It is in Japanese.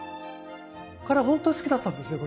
彼本当好きだったんですよ